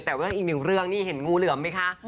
แต่เรื่องอีกหนึ่งเรื่องนี่เห็นงูเหลือมไหมคะ